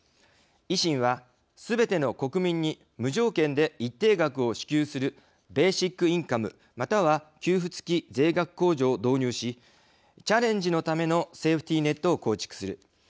維新は、すべての国民に無条件で一定額を支給するベーシックインカムまたは給付付き税額控除を導入しチャレンジのためのセーフティネットを構築する。